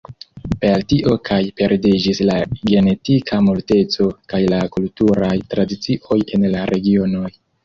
Per tio kaj perdiĝis la genetika multeco kaj la kulturaj tradicioj en la regionoj.